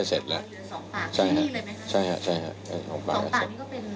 เป็นรุ่นเดี่ยวกันหรือเป็น